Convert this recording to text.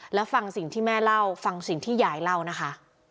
แล้วฟังสิ่งที่แม่เล่าฟังสิ่งที่ยายเล่านะคะ